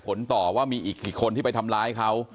ต่อว่ามีอีกกี่คนที่ไปทำร้ายเขา